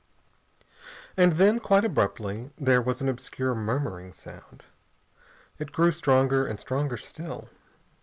And then, quite abruptly, there was an obscure murmuring sound. It grew stronger, and stronger still.